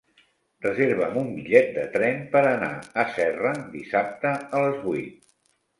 Reserva'm un bitllet de tren per anar a Serra dissabte a les vuit.